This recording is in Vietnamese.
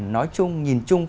nói chung nhìn chung